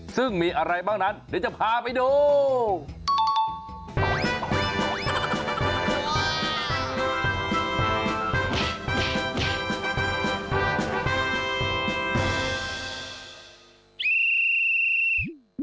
ซึ่งมีอะไรบ้างนั้นเดี๋ยวจะพาไปดู